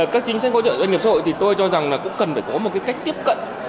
các chính sách hỗ trợ doanh nghiệp xã hội thì tôi cho rằng là cũng cần phải có một cái cách tiếp cận